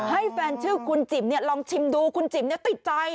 ให้แฟนชื่อคุณจิ๋มลองชิมดูคุณจิ๋มติดใจ